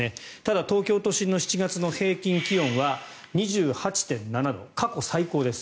ただ、東京都心の７月の平均気温は２８．７度、過去最高です。